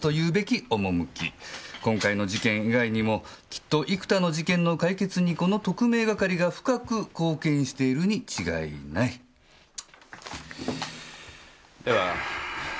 「今回の事件以外にもきっと幾多の事件の解決にこの特命係が深く貢献しているに違いない」では。